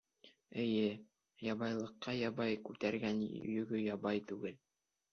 — Эйе, ябайлыҡҡа ябай, күтәргән йөгө ябай түгел.